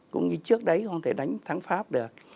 cũng như trước đấy không thể đánh thắng pháp được